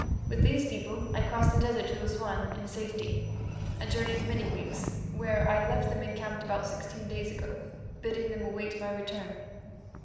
With these people I crossed the desert to Assouan in safety, a journey of many weeks, where I left them encamped about sixteen days ago, bidding them await my return.